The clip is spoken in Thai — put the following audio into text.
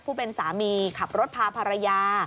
ผู้เป็นสามีขับรถพาภรรยา